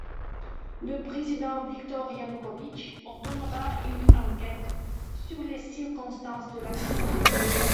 Le président Viktor Yanukovych ordonnera une enquête sur les circonstances de l'accident.